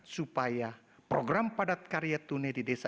supaya program padat karya tunai di desa